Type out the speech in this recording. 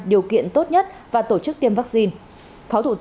điều kiện tốt nhất và tổ chức tiêm vaccine